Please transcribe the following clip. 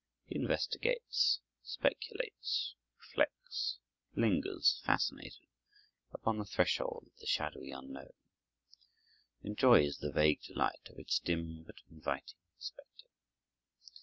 He investigates, speculates, reflects, lingers fascinated upon the threshold of the shadowy unknown, enjoys the vague delight of its dim but inviting perspective.